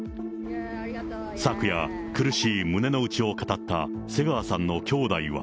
昨夜、苦しい胸の内を語った瀬川さんのきょうだいは。